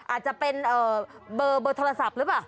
อาจจะเป็นเบอร์โทรศัพท์หรือเปล่า